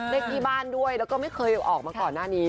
เลขที่บ้านด้วยแล้วก็ไม่เคยออกมาก่อนหน้านี้